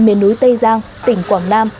miền núi tây giang tỉnh quảng nam